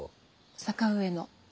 坂上の。